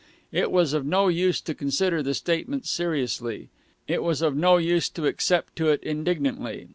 It was of no use to consider the statement seriously. It was of no use to except to it indignantly.